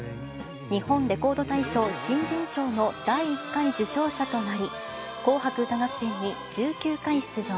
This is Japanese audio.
日本レコード大賞新人賞の第１回受賞者となり、紅白歌合戦に１９回出場。